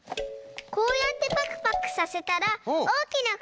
こうやってパクパクさせたらおおきなくちになりそう！